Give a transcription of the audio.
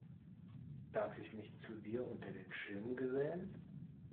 Darf ich mich zu dir unter den Schirm gesellen?